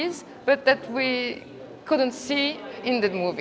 tapi yang tidak bisa kita lihat di film ini